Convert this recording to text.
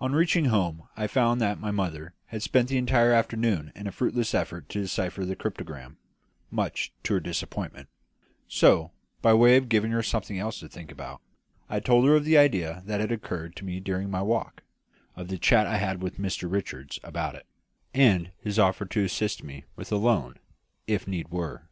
On reaching home I found that my mother had spent the entire afternoon in a fruitless effort to decipher the cryptogram, much to her disappointment; so, by way of giving her something else to think about, I told her of the idea that had occurred to me during my walk; of the chat I had had with Mr Richards about it, and of his offer to assist me with a loan, if need were.